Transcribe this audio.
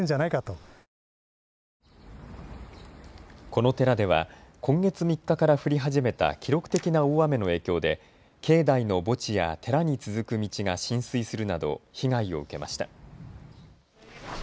この寺では今月３日から降り始めた記録的な大雨の影響で境内の墓地や寺に続く道が浸水するなど被害を受けました。